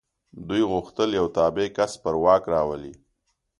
دوی غوښتل یو تابع کس پر واک راولي.